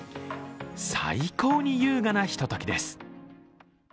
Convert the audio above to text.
最高に優雅なひとときです。